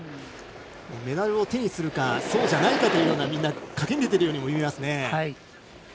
メダルを手にするかそうじゃないかというような賭けに出ているように見えますね。